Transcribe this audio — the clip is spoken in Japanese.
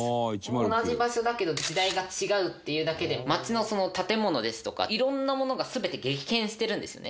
同じ場所だけど時代が違うっていうだけで街の建物ですとかいろんなものが全て激変してるんですよね。